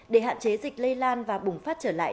để hạn chế dịch lây lan và bùng phát trở lại